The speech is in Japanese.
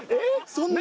そんな。